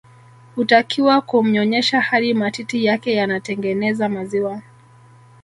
Hutakiwa kumnyonyesha hadi matiti yake yanatengeneza maziwa